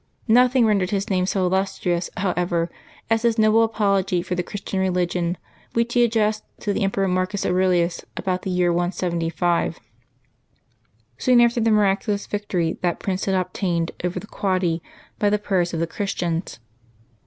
Nothing rendered his name so illustrious, however, as his noble apology for the Christian religion which he ad dressed to the Emperor Marcus Aurelius, about the year 175, soon after the miraculous victory that prince had ob tained over the Quadi by the prayers of the Christians.